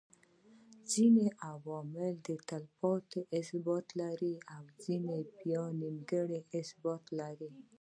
ځيني عوامل تلپاتي ثبات لري او ځيني بيا نيمه ثبات لري